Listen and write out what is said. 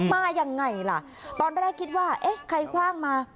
มายังไงล่ะตอนแรกคิดว่าเอ๊ะใครคว่างมา